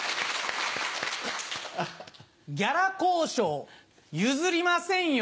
ギャラ交渉譲りませんよ